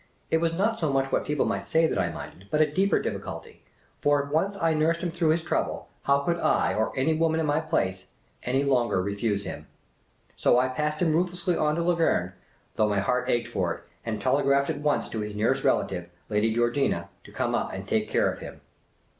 It was not so much what people might say that I minded, but a deeper difficulty. For if once I nursed him through his trouble, how could I or any woman in my place any longer refuse him ? So I passed him ruthlessly on to Lungern (though my heart ached for it), and telegraphed at once to his nearest relative, I^ady Georgina, to come up and take care of him.